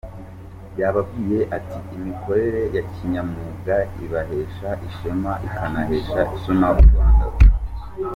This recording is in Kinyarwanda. Yababwiye ati,”Imikorere ya kinyamwuga ibahesha ishema ikanahesha ishema U Rwanda.